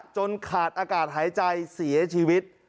จนขาดอากาศหายใจเสียชีวิต